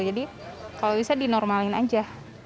jadi kalau bisa dinormalin aja